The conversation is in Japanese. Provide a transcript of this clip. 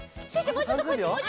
もうちょっとこっち。